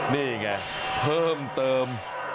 นี่ไงเพิ่มเติม